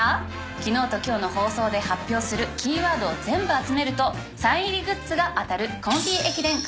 今日と明日の放送で発表するキーワードを全部集めるとサイン入りグッズが当たる。